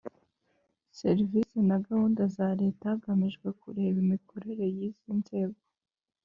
serivisi na gahunda za leta hagamijwe kureba imikorere y’izo nzego